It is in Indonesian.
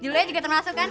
jeluhnya juga termasuk kan